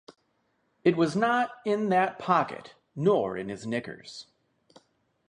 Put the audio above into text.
It was not in that pocket, nor in his knickers.